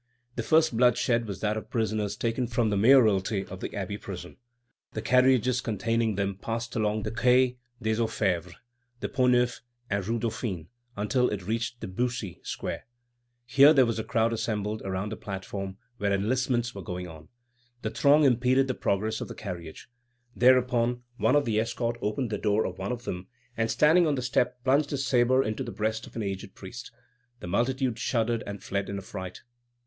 The first blood shed was that of prisoners taken from the mayoralty to the Abbey prison. The carriages containing them passed along the Quai des Orfèvres, the Pont Neuf and rue Dauphine, until it reached the Bussy square. Here there was a crowd assembled around a platform where enlistments were going on. The throng impeded the progress of the carriages. Thereupon one of the escort opened the door of one of them, and standing on the step, plunged his sabre into the breast of an aged priest. The multitude shuddered and fled in affright.